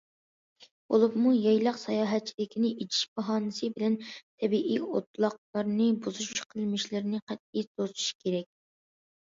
بولۇپمۇ، يايلاق ساياھەتچىلىكىنى ئېچىش باھانىسى بىلەن تەبىئىي ئوتلاقلارنى بۇزۇش قىلمىشلىرىنى قەتئىي توسۇش كېرەك.